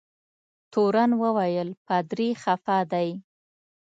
تورن وویل پادري خفه دی.